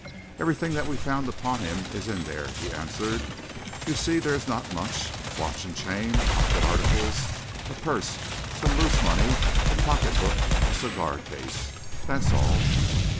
"Everything that we found upon him is in there," he answered. "You see there is not much watch and chain, pocket articles, a purse, some loose money, a pocket book, a cigar case that's all.